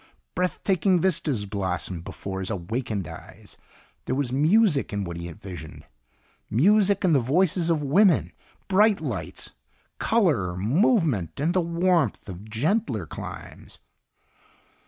Breath taking vistas blossomed before his awakened eyes. There was music in what he visioned, music and the voices of women, bright lights, color, movement, and the warmth of gentler climes.